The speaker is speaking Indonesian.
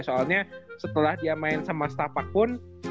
soalnya setelah dia main sama setapak pun